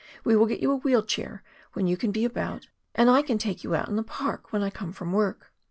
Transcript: We will get you a wheel chair when you can be about, and I can take you out in the park when I come from work."